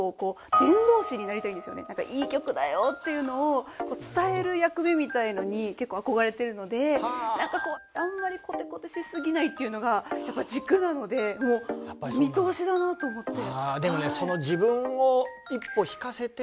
いい曲だよっていうのを伝える役目みたいのに結構憧れてるのでなんかこうあんまりコテコテしすぎないっていうのがやっぱ軸なのでもうお見通しだなと思って。